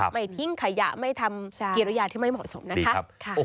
ไม่ทิ้งขยะไม่ทำเกลียดระยะที่ไม่เหมาะสมนะครับ